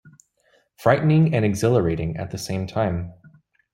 Frightening and exhilarating at the same time.